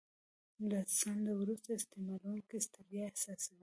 له ځنډه وروسته استعمالوونکی ستړیا احساسوي.